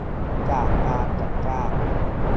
จากการจัดจ้าง